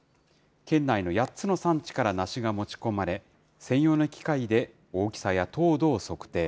県内の８つの産地から梨が持ち込まれ、専用の機械で大きさや糖度を測定。